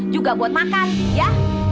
juga buat makan ya